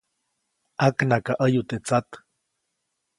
ʼAknakaʼäyu teʼ tsat.